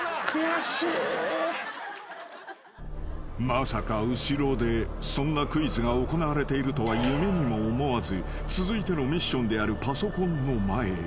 ［まさか後ろでそんなクイズが行われているとは夢にも思わず続いてのミッションであるパソコンの前へ］